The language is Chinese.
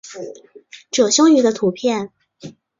褶胸鱼的图片